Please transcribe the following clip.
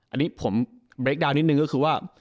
อันนี้ผมเรคดาวน์นิดนึงก็คือว่า